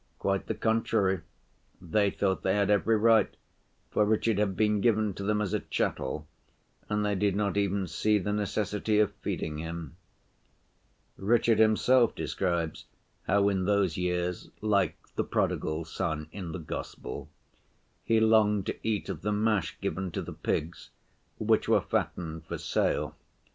Quite the contrary, they thought they had every right, for Richard had been given to them as a chattel, and they did not even see the necessity of feeding him. Richard himself describes how in those years, like the Prodigal Son in the Gospel, he longed to eat of the mash given to the pigs, which were fattened for sale.